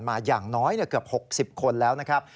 อย่างน้อยเกือบ๖๐คนแล้วนะครับ